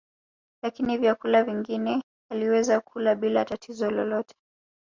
Lakini vyakula vingine aliweza kula bila tatizo lolote